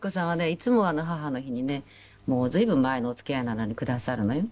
いつも母の日にねもう随分前のお付き合いなのにくださるのよ。